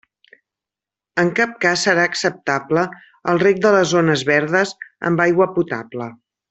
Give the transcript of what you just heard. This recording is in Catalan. En cap cas serà acceptable el reg de les zones verdes amb aigua potable.